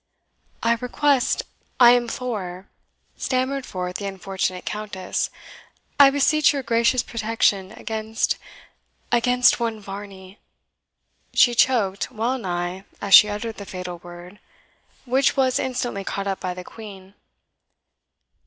"I request I implore," stammered forth the unfortunate Countess "I beseech your gracious protection against against one Varney." She choked well nigh as she uttered the fatal word, which was instantly caught up by the Queen.